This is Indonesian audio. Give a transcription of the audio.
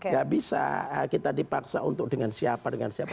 gak bisa kita dipaksa untuk dengan siapa dengan siapa